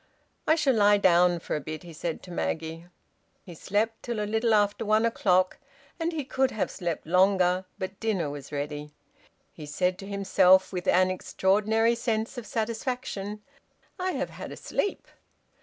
"I shall lie down for a bit," he said to Maggie. He slept till a little after one o'clock, and he could have slept longer, but dinner was ready. He said to himself, with an extraordinary sense of satisfaction, "_I have had a sleep.